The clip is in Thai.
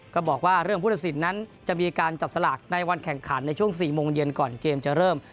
ก็บอกว่าเรื่องผู้ตัดสินนั้นจะมีการจับสลากในวันแข่งขันในช่วง๔โมงเย็นก่อนเกมจะเริ่ม